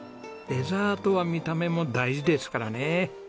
デザートは見た目も大事ですからね。